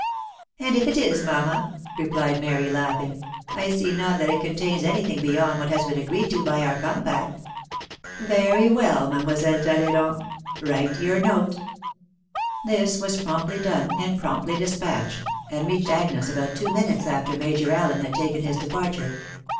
" And if it is, mamma," replied Mary, laughing, " I see not that it contains any thing beyond what has been agreed to by our compact." cc Very well. Mademoiselle Talleyrand .... write your note." This was promptly done, • and promptly despatched, and reached Agnes about two minutes after Major Allen had taken his departure.